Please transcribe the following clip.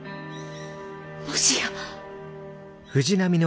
もしや。